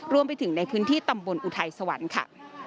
รวมไปถึงในพื้นที่ตำบลอุทัยสวรรค์ค่ะ